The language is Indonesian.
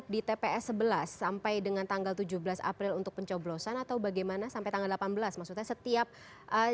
di tps ku terdapat berapa anggota kpps